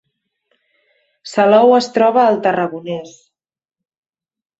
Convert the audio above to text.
Salou es troba al Tarragonès